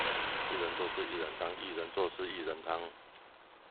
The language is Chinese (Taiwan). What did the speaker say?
一人做事一人當，薏仁做事薏仁湯